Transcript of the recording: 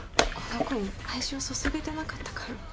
この子に愛情を注げてなかったから。